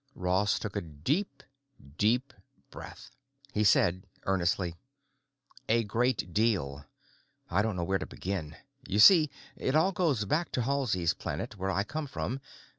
Ross took a deep, deep breath. He said earnestly, "A great deal. I don't know where to begin. You see, it all goes back to Halsey's Planet, where I come from.